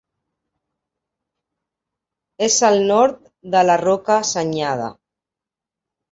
És al nord de la Roca Senyada.